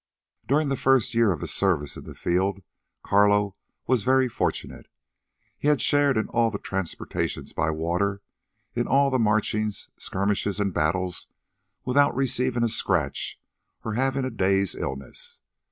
During the first year of his service in the field, Carlo was very fortunate. He had shared in all the transportations by water, in all the marchings, skirmishes, and battles, without receiving a scratch or having a day's illness.